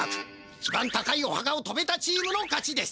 いちばん高いおはかをとべたチームの勝ちです！